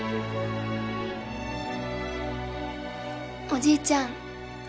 おじいちゃん。